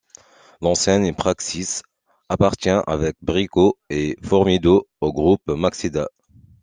L'enseigne Praxis appartient avec Brico et Formido au groupe Maxeda.